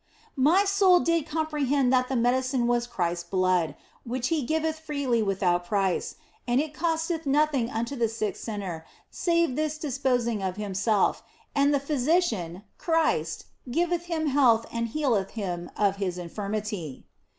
My soul did comprehend that the medicine was Christ s blood, which He giveth freely without price, and it costeth nothing unto the sick sinner save this disposing of himself, and the Physician Christ giveth him health and healeth him of his infirmity.